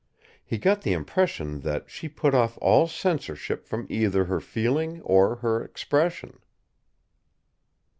He got the impression that she put off all censorship from either her feeling or her expression.